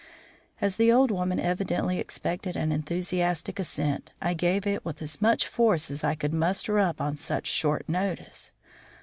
As the old woman evidently expected an enthusiastic assent I gave it with as much force as I could muster up on such short notice.